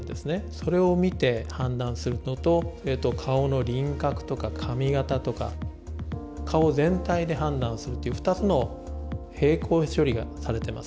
それを見て判断するのと顔の輪郭とか髪形とか顔を全体で判断するっていう２つの並行処理がされてます。